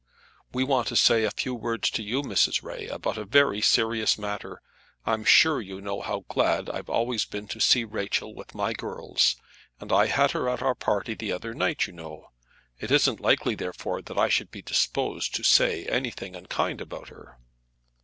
"We want to say a few words to you, Mrs. Ray, about a very serious matter. I'm sure you know how glad I've always been to see Rachel with my girls, and I had her at our party the other night, you know. It isn't likely therefore that I should be disposed to say anything unkind about her."